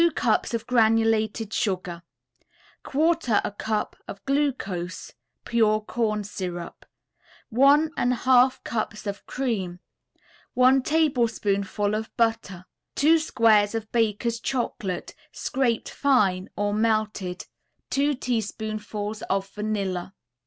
] 2 cups of granulated sugar, 1/4 a cup of glucose (pure corn syrup), 1 1/2 cups of cream, 1 tablespoonful of butter, 2 squares of Baker's Chocolate, scraped fine or melted, 2 teaspoonfuls of vanilla.